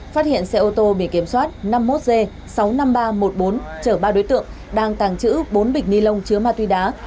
phát hiện xe ô tô bị kiểm soát năm mươi một g sáu mươi năm nghìn ba trăm một mươi bốn chở ba đối tượng đang tàng trữ bốn bịch ni lông chứa ma túy đá